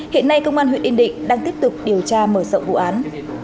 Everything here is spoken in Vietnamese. hiện nay công an huyện yên định đang tiếp tục điều tra mở rộng vụ án